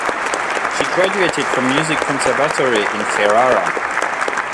She graduated from Music Conservatory in Ferrara.